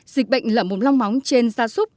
dịch bệnh lở mồm long móng trên gia súc